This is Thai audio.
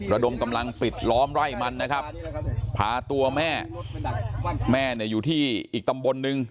ระดมกำลังปิดล้อมไร่มันนะครับพาตัวแม่แม่เนี่ยอยู่ที่อีกตำบลนึง